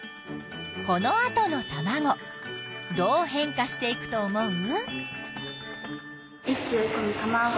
このあとのたまごどう変化していくと思う？